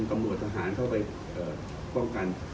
กรรมบริษัททหารเข้าไปป้องกัน